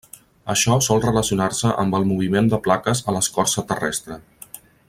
Això sol relacionar-se amb el moviment de plaques a l'escorça terrestre.